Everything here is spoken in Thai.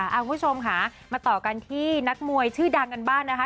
คุณผู้ชมค่ะมาต่อกันที่นักมวยชื่อดังกันบ้างนะคะ